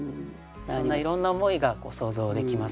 そんないろんな思いが想像できますよね。